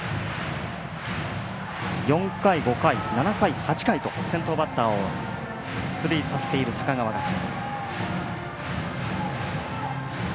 ４回、５回、７回、８回と先頭バッターを出塁させている高川学園。